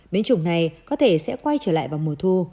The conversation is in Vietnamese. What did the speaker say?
biến chủng này có thể sẽ quay trở lại vào mùa thu